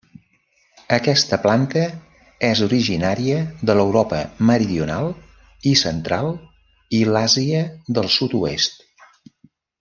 Aquesta planta és originària de l'Europa meridional i central i l'Àsia del Sud-oest.